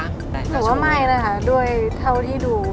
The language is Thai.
แต่ว่าไม่นะคะด้วยเท่าที่ดู